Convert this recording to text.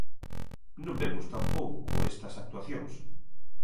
Non vemos tampouco estas actuacións.